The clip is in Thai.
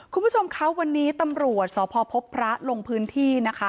คุณผู้ชมคะวันนี้ตำรวจสพพบพระลงพื้นที่นะคะ